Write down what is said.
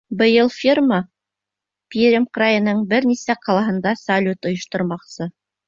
Быйыл фирма Пермь крайының бер нисә ҡалаһында салют ойоштормаҡсы.